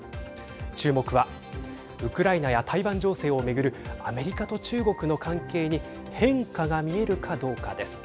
注目はウクライナや台湾情勢を巡るアメリカと中国の関係に変化が見えるかどうかです。